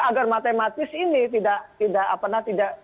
agar matematis ini tidak